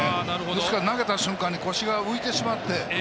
ですから、投げた瞬間に腰が浮いてしまって。